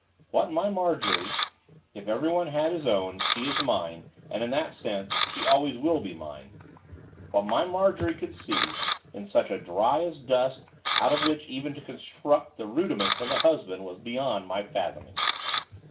What my Marjorie if everyone had his own, she is mine, and, in that sense, she always will be mine what my Marjorie could see in such a dry as dust out of which even to construct the rudiments of a husband was beyond my fathoming.